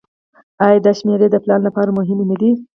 آیا دا شمیرې د پلان لپاره مهمې نه دي؟